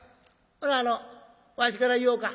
ほなわしから言おうか。